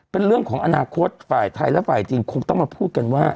เป็นเรื่องของอนาคตฝ่ายไทยและฝ่ายจีนคงต้องมาพูดกันว่า